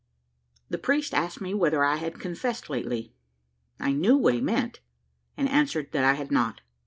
"The priest asked me whether I had confessed lately. I knew what he meant, and answered that I had not.